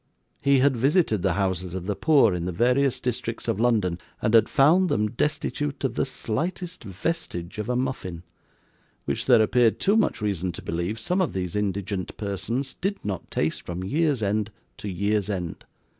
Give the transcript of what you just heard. He had visited the houses of the poor in the various districts of London, and had found them destitute of the slightest vestige of a muffin, which there appeared too much reason to believe some of these indigent persons did not taste from year's end to year's end.